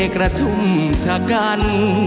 กระชุ่มชะกัน